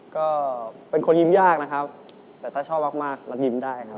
ก็เป็นคนยิ้มยากนะครับแต่ถ้าชอบมากแล้วยิ้มได้ครับ